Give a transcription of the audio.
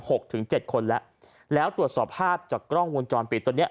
ถึงเจ็ดคนแล้วแล้วตรวจสอบภาพจากกล้องวงจรปิดตอนเนี้ย